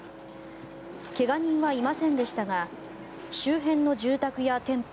怪我人はいませんでしたが周辺の住宅や店舗